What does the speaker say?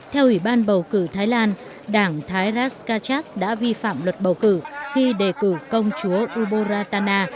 theo ủy ban bầu cử thái lan đảng thai rakachak đã vi phạm luật bầu cử khi đề cử công chúa ubon ratana